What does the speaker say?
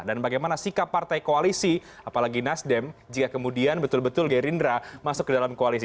dan bagaimana sikap partai koalisi apalagi nasdem jika kemudian betul betul gerindra masuk ke dalam koalisi